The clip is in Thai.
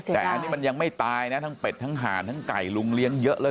แต่อันนี้มันยังไม่ตายนะทั้งเป็ดทั้งหานทั้งไก่ลุงเลี้ยงเยอะเลย